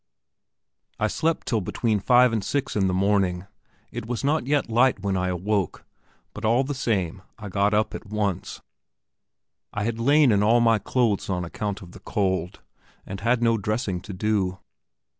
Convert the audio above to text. I slept till between five and six in the morning it was not yet light when I awoke but all the same I got up at once. I had lain in all my clothes on account of the cold, and had no dressing to do.